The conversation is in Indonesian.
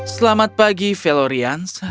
selamat pagi velorians